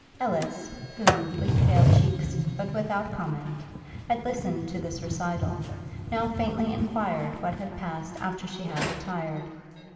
Ellis, who, with pale cheeks, but without comment, had listened to this recital, now faintly enquired what had passed after she had retired.